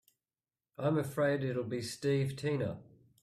I'm afraid it'll be Steve Tina.